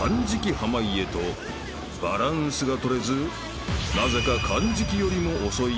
［バランスが取れずなぜかかんじきよりも遅い］